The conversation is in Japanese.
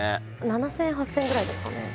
７０００円８０００円ぐらいですかね